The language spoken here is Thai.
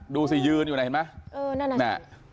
ดูสิยืนอยู่น่ะเห็นไหมเออนั่นน่ะ